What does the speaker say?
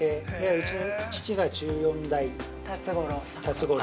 うちの父が１４代辰五郎。